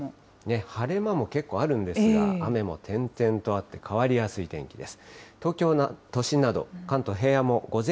晴れ間も結構あるんですが、雨も点々とあって、変わりやすい天気です。